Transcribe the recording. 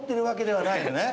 はい。